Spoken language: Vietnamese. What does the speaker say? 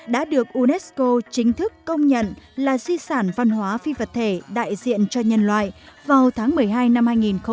đã được unesco chính thức công nhận là di sản văn hóa phi vật thể đại diện cho nhân loại vào tháng một mươi hai năm hai nghìn một mươi